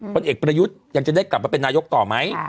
ผลเอกประยุทธ์ยังจะได้กลับมาเป็นนายกต่อไหม